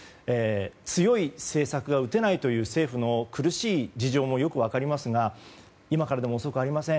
強い政策が打てないという政府の苦しい事情もよく分かりますが今からでも遅くありません。